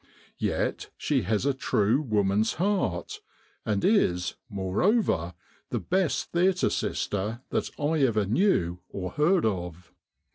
Yet she has a true woman's heart, and is, moreover, the Sest theatre sister that I ever knew or heard of.